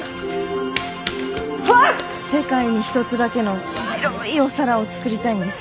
世界に一つだけの白いお皿を作りたいんです。